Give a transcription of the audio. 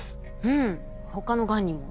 うん他のがんにも。